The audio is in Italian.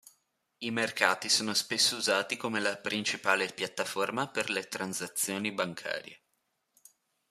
I mercati sono spesso usati come la principale piattaforma per le transazioni bancarie.